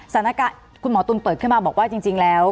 สถานการณ์คุณหมอตุ๋นเปิดขึ้นมาบอกว่าจริงแล้ว